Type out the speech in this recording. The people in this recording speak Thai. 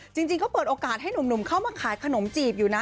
จริงก็เปิดโอกาสให้หนุ่มเข้ามาขายขนมจีบอยู่นะ